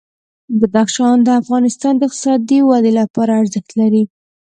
بدخشان د افغانستان د اقتصادي ودې لپاره ارزښت لري.